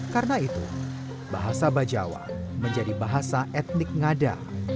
karena itu bahasa bajawa menjadi bahasa etnik ngada